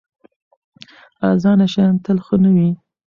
ارزانه شیان تل ښه نه وي.